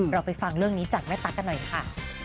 เราไปฟังเรื่องนี้จากแม่ตั๊กกันหน่อยค่ะ